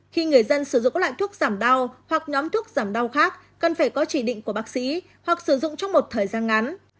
khi người dân sử dụng các loại thuốc giảm đau hoặc nhóm thuốc giảm đau khác cần phải có chỉ định của bác sĩ hoặc sử dụng trong một thời gian ngắn